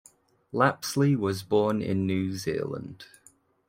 Lapsley was born in New Zealand.